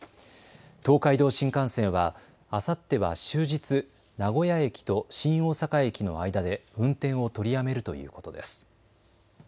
東海道新幹線はあさっては終日名古屋駅と新大阪駅の間で運転を取りやめるということです。